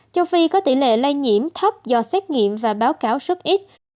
châu phi có tỷ lệ lây nhiễm thấp do xét nghiệm và báo cáo rất ít